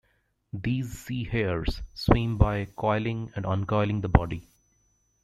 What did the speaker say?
These sea hares swim by coiling and uncoiling the body.